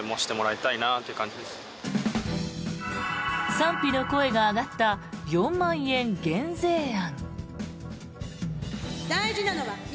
賛否の声が上がった４万円減税案。